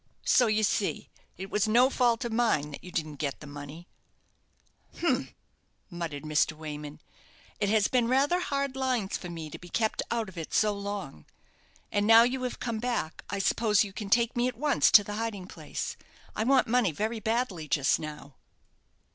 So, you see, it was no fault of mine that you didn't get the money." "Humph!" muttered Mr. Wayman. "It has been rather hard lines for me to be kept out of it so long. And now you have come back, I suppose you can take me at once to the hiding place. I want money very badly just now."